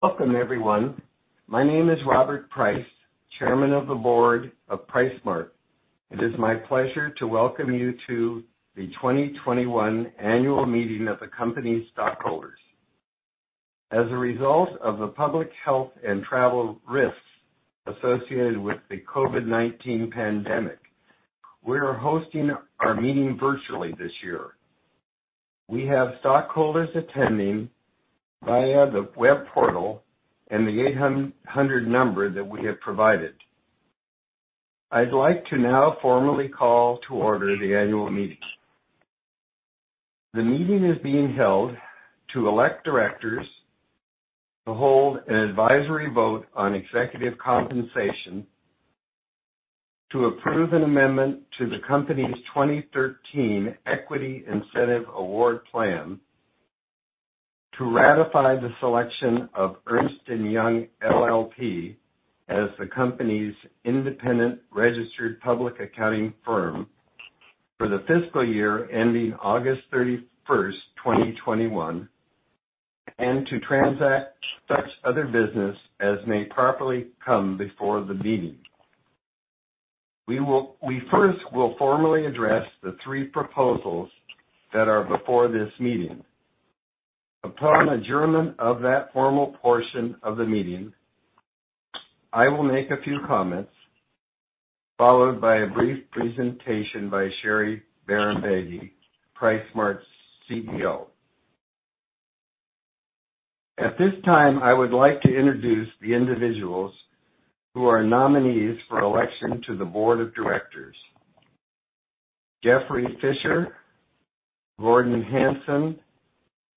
Welcome, everyone. My name is Robert Price, Chairman of the Board of PriceSmart. It is my pleasure to welcome you to the 2021 Annual Meeting of the company's stockholders. As a result of the public health and travel risks associated with the COVID-19 pandemic, we are hosting our meeting virtually this year. We have stockholders attending via the web portal and the 800 number that we have provided. I'd like to now formally call to order the annual meeting. The meeting is being held to elect directors, to hold an advisory vote on executive compensation, to approve an amendment to the company's 2013 Equity Incentive Award Plan, to ratify the selection of Ernst & Young LLP as the company's independent registered public accounting firm for the fiscal year ending August 31st, 2021, and to transact such other business as may properly come before the meeting. We first will formally address the three proposals that are before this meeting. Upon adjournment of that formal portion of the meeting, I will make a few comments, followed by a brief presentation by Sherry Bahrambeygui, PriceSmart's CEO. At this time, I would like to introduce the individuals who are nominees for election to the Board of Directors. Jeffrey Fisher, Gordon Hanson,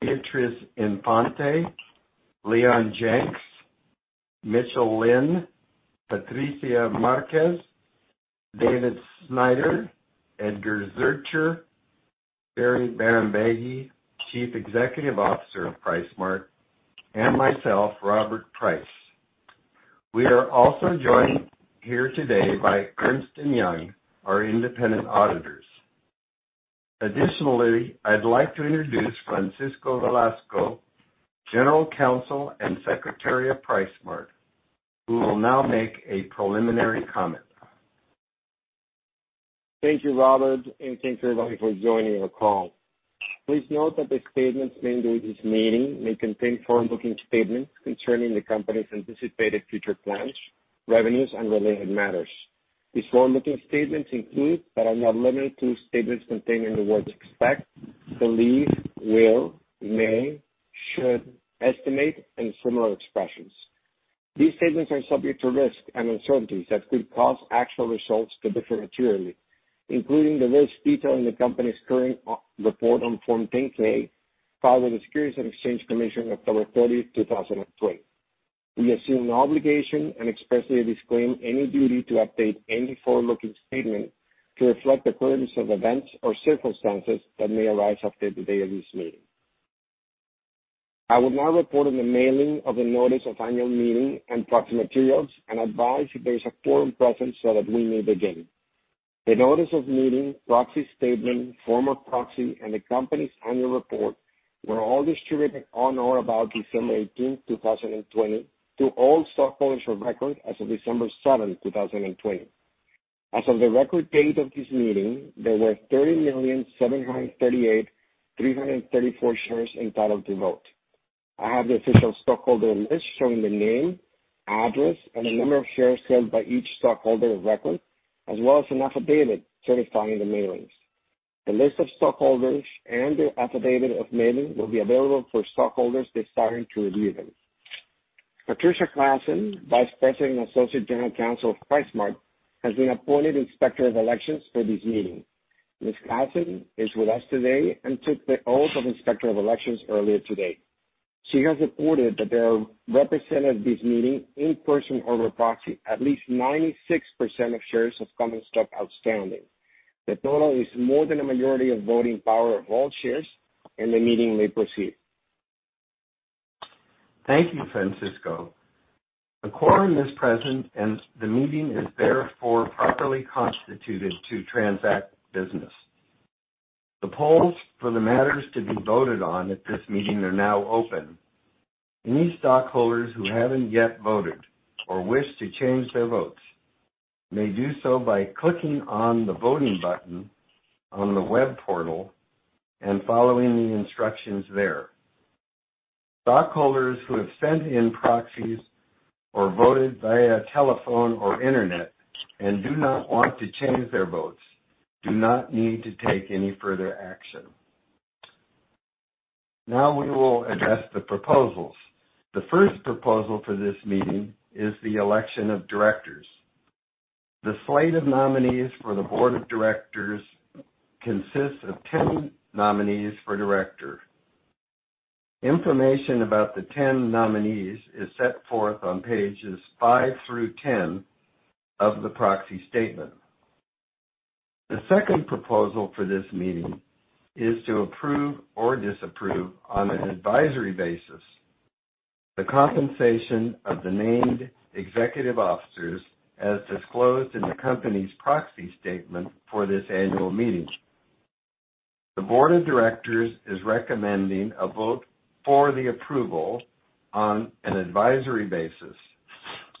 Beatriz Infante, Leon Janks, Mitchell Lynn, Patricia Márquez, David Snyder, Edgar Zurcher, Sherry Bahrambeygui, Chief Executive Officer of PriceSmart, and myself, Robert Price. We are also joined here today by Ernst & Young, our Independent Auditors. I'd like to introduce Francisco Velasco, General Counsel and Secretary of PriceSmart, who will now make a preliminary comment. Thank you, Robert, and thanks, everybody, for joining our call. Please note that the statements made during this meeting may contain forward-looking statements concerning the company's anticipated future plans, revenues, and related matters. These forward-looking statements include, but are not limited to, statements containing the words "expect," "believe," "will," "may," "should," "estimate," and similar expressions. These statements are subject to risks and uncertainties that could cause actual results to differ materially, including the risks detailed in the company's current report on Form 10-K filed with the Securities and Exchange Commission October 30th, 2020. We assume no obligation and expressly disclaim any duty to update any forward-looking statement to reflect the occurrence of events or circumstances that may arise after the date of this meeting. I will now report on the mailing of the notice of annual meeting and proxy materials and advise if there's a quorum present so that we may begin. The notice of meeting, proxy statement, form of proxy, and the company's annual report were all distributed on or about December 18th, 2020, to all stockholders for record as of December 7th, 2020. As of the record date of this meeting, there were 30,738,334 shares entitled to vote. I have the official stockholder list showing the name, address, and the number of shares held by each stockholder of record, as well as an affidavit certifying the mailings. The list of stockholders and the affidavit of mailing will be available for stockholders desiring to review them. Patricia Klassen, Vice President and Associate General Counsel of PriceSmart, has been appointed Inspector of Elections for this meeting. Ms. Klassen is with us today and took the oath of Inspector of Elections earlier today. She has reported that there are represented at this meeting, in person or by proxy, at least 96% of shares of common stock outstanding. The total is more than a majority of voting power of all shares. The meeting may proceed. Thank you, Francisco. A quorum is present and the meeting is therefore properly constituted to transact business. The polls for the matters to be voted on at this meeting are now open. Any stockholders who haven't yet voted or wish to change their votes may do so by clicking on the voting button on the web portal and following the instructions there. Stockholders who have sent in proxies or voted via telephone or internet and do not want to change their votes do not need to take any further action. Now we will address the proposals. The first proposal for this meeting is the election of directors. The slate of nominees for the board of directors consists of 10 nominees for director. Information about the 10 nominees is set forth on pages 5-10 of the proxy statement. The second proposal for this meeting is to approve or disapprove, on an advisory basis, the compensation of the named executive officers as disclosed in the company's proxy statement for this annual meeting. The board of directors is recommending a vote for the approval on an advisory basis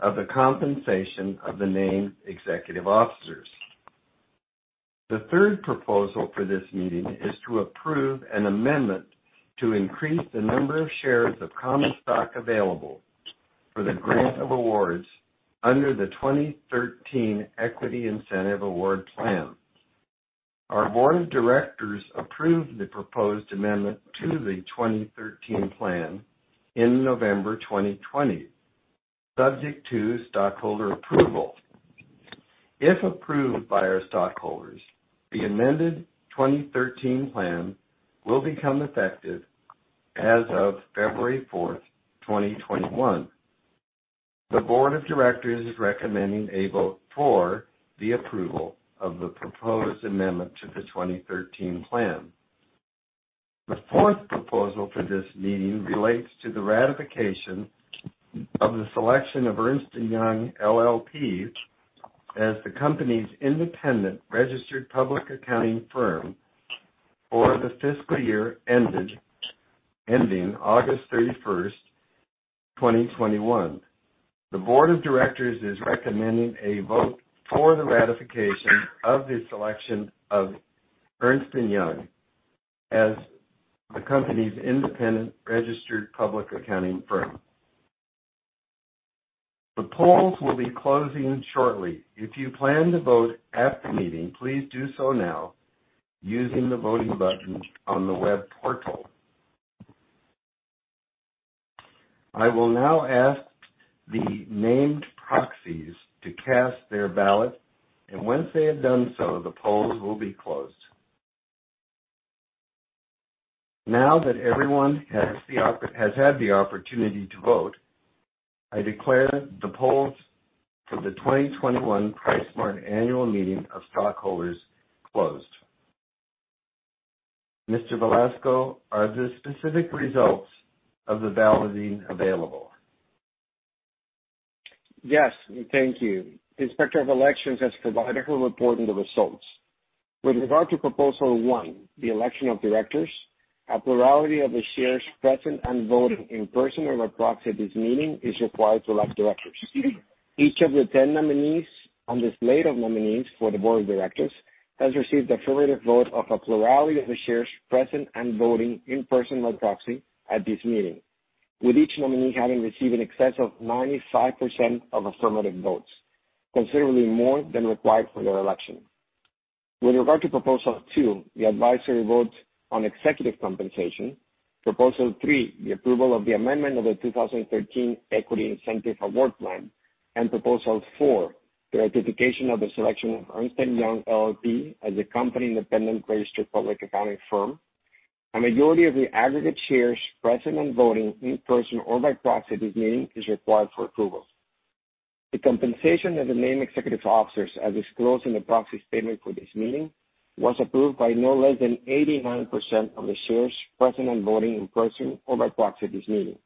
of the compensation of the named executive officers. The third proposal for this meeting is to approve an amendment to increase the number of shares of common stock available for the grant of awards under the 2013 Equity Incentive Award Plan. Our Board of Directors approved the proposed amendment to the 2013 plan in November 2020, subject to stockholder approval. If approved by our stockholders, the amended 2013 plan will become effective as of February 4th, 2021. The Board of Directors is recommending a vote for the approval of the proposed amendment to the 2013 plan. The fourth proposal for this meeting relates to the ratification of the selection of Ernst & Young LLP as the company's independent registered public accounting firm for the fiscal year ending August 31st, 2021. The Board of Directors is recommending a vote for the ratification of the selection of Ernst & Young as the company's independent registered public accounting firm. The polls will be closing shortly. If you plan to vote at the meeting, please do so now using the voting button on the web portal. I will now ask the named proxies to cast their ballot, and once they have done so, the polls will be closed. Now that everyone has had the opportunity to vote, I declare the polls for the 2021 PriceSmart Annual Meeting of Stockholders closed. Mr. Velasco, are the specific results of the balloting available? Yes, thank you. The Inspector of Elections has provided a report on the results. With regard to proposal one, the election of directors, a plurality of the shares present and voting in person or by proxy at this meeting is required to elect directors. Each of the 10 nominees on the slate of nominees for the board of directors has received affirmative vote of a plurality of the shares present and voting in person or by proxy at this meeting, with each nominee having received in excess of 95% of affirmative votes, considerably more than required for their election. With regard to proposal two, the advisory vote on executive compensation, proposal three, the approval of the amendment of the 2013 Equity Incentive Award Plan, and proposal four, the ratification of the selection of Ernst & Young LLP as the company independent registered public accounting firm, a majority of the aggregate shares present and voting in person or by proxy at this meeting is required for approval. The compensation of the named executive officers, as disclosed in the proxy statement for this meeting, was approved by no less than 89% of the shares present and voting in person or by proxy at this meeting.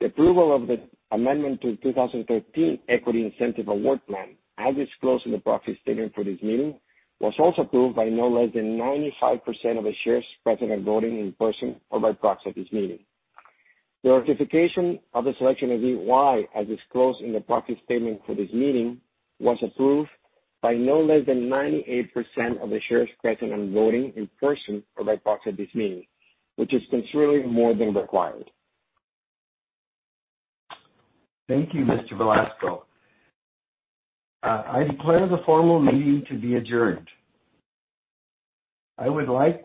The approval of the amendment to the 2013 Equity Incentive Award Plan, as disclosed in the proxy statement for this meeting, was also approved by no less than 95% of the shares present and voting in person or by proxy at this meeting. The ratification of the selection of EY, as disclosed in the proxy statement for this meeting, was approved by no less than 98% of the shares present and voting in person or by proxy at this meeting, which is considerably more than required. Thank you, Mr. Velasco. I declare the formal meeting to be adjourned. I would like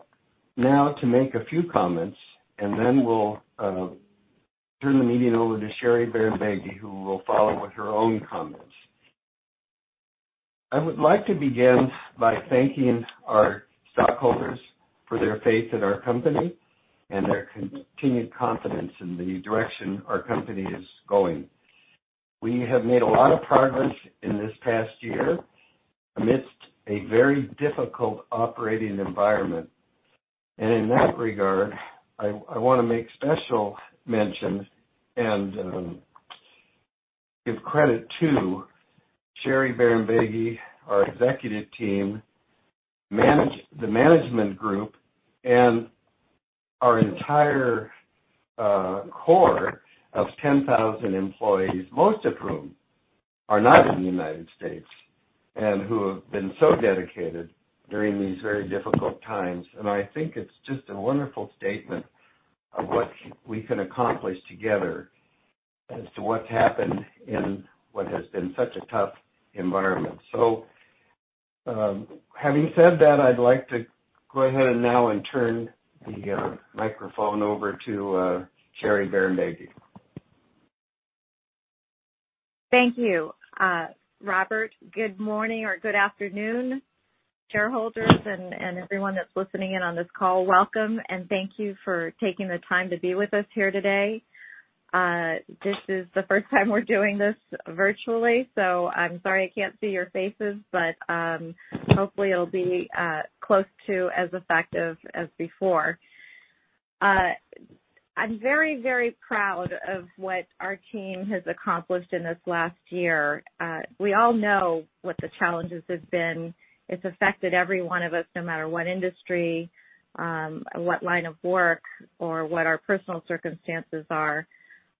now to make a few comments, and then we'll turn the meeting over to Sherry Bahrambeygui, who will follow with her own comments. I would like to begin by thanking our stockholders for their faith in our company and their continued confidence in the direction our company is going. We have made a lot of progress in this past year amidst a very difficult operating environment. In that regard, I want to make special mention and give credit to Sherry Bahrambeygui, our executive team, the management group, and our entire core of 10,000 employees, most of whom are not in the United States, and who have been so dedicated during these very difficult times. I think it's just a wonderful statement of what we can accomplish together as to what's happened in what has been such a tough environment. Having said that, I'd like to go ahead and now and turn the microphone over to Sherry Bahrambeygui. Thank you, Robert. Good morning or good afternoon, shareholders and everyone that's listening in on this call. Welcome. Thank you for taking the time to be with us here today. This is the first time we're doing this virtually. I'm sorry I can't see your faces. Hopefully it'll be close to as effective as before. I'm very, very proud of what our team has accomplished in this last year. We all know what the challenges have been. It's affected every one of us, no matter what industry, what line of work, or what our personal circumstances are.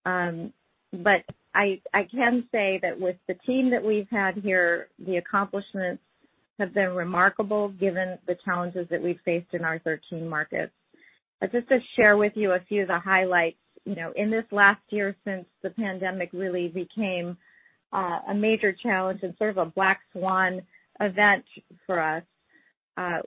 I can say that with the team that we've had here, the accomplishments have been remarkable given the challenges that we've faced in our 13 markets. Just to share with you a few of the highlights. In this last year, since the pandemic really became a major challenge and sort of a black swan event for us,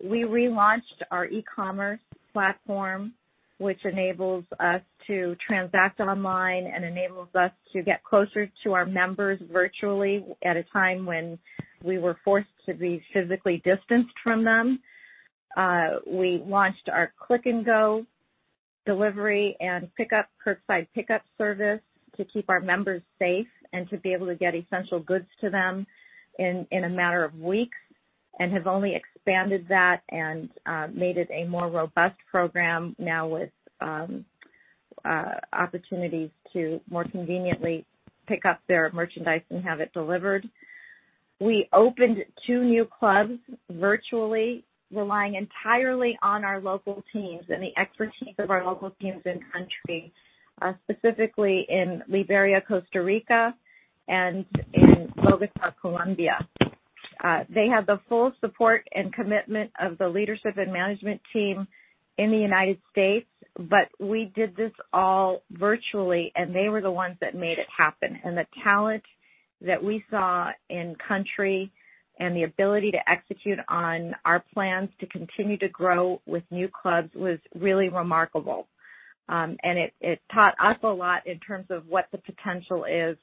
we relaunched our e-commerce platform, which enables us to transact online and enables us to get closer to our members virtually at a time when we were forced to be physically distanced from them. We launched our Click & Go delivery and curbside pickup service to keep our members safe and to be able to get essential goods to them in a matter of weeks, and have only expanded that and made it a more robust program now with opportunities to more conveniently pick up their merchandise and have it delivered. We opened two new clubs virtually, relying entirely on our local teams and the expertise of our local teams in-country, specifically in Liberia, Costa Rica, and in Bogota, Colombia. They had the full support and commitment of the leadership and management team in the United States, but we did this all virtually, and they were the ones that made it happen. The talent that we saw in country and the ability to execute on our plans to continue to grow with new clubs was really remarkable. It taught us a lot in terms of what the potential is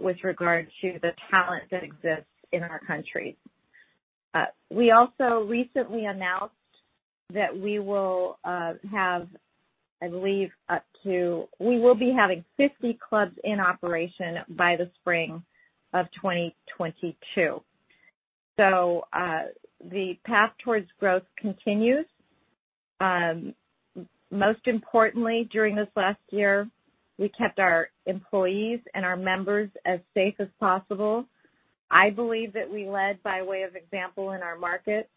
with regard to the talent that exists in our country. We also recently announced that we will be having 50 clubs in operation by the spring of 2022. The path towards growth continues. Most importantly, during this last year, we kept our employees and our members as safe as possible. I believe that we led by way of example in our markets.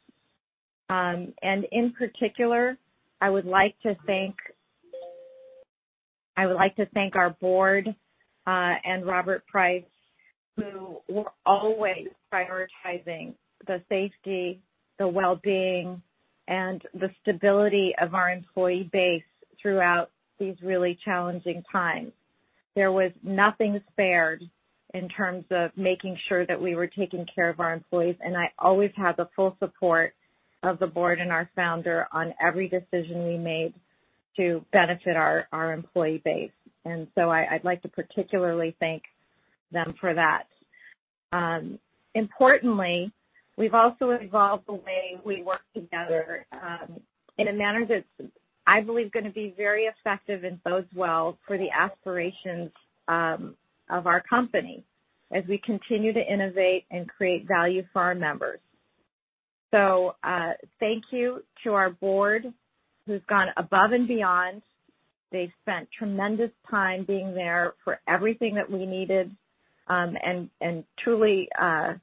In particular, I would like to thank our board and Robert Price, who were always prioritizing the safety, the wellbeing, and the stability of our employee base throughout these really challenging times. There was nothing spared in terms of making sure that we were taking care of our employees, and I always had the full support of the board and our founder on every decision we made to benefit our employee base. I'd like to particularly thank them for that. Importantly, we've also evolved the way we work together in a manner that's, I believe, going to be very effective and bodes well for the aspirations of our company as we continue to innovate and create value for our members. Thank you to our board, who's gone above and beyond. They've spent tremendous time being there for everything that we needed and truly have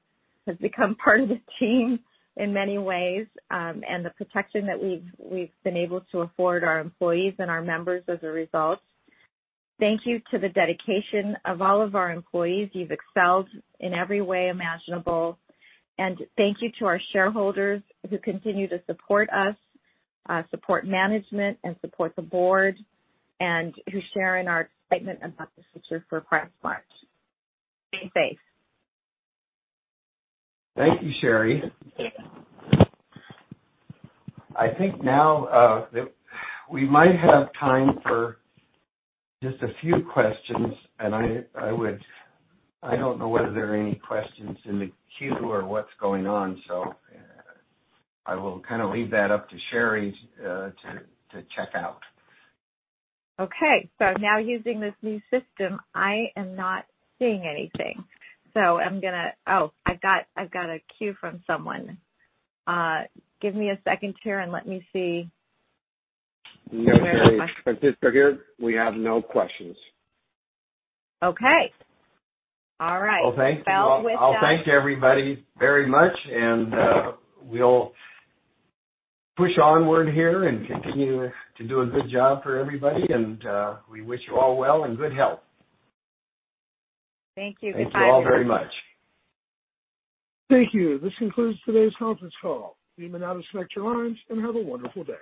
become part of the team in many ways, and the protection that we've been able to afford our employees and our members as a result. Thank you to the dedication of all of our employees. You've excelled in every way imaginable. Thank you to our shareholders who continue to support us, support management, and support the board, and who share in our excitement about the future for PriceSmart. Stay safe. Thank you, Sherry. I think now that we might have time for just a few questions, and I don't know whether there are any questions in the queue or what's going on, so I will kind of leave that up to Sherry to check out. Okay. Now using this new system, I am not seeing anything. I've got a cue from someone. Give me a second here and let me see. No, Sherry. Francisco here. We have no questions. Okay. All right. Well, thank you. Felt with that. I'll thank everybody very much, and we'll push onward here and continue to do a good job for everybody. We wish you all well and good health. Thank you. Bye. Thank you all very much. Thank you. This concludes today's conference call. You may now disconnect your lines and have a wonderful day.